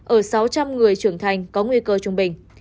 ở sáu trăm linh người trưởng thành có nguy cơ trung bình